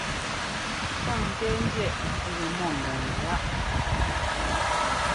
Sáŋńtɛ́ɛńdẅɛꞌ gɛ mɔ ŋgɔŋ gáꞌ.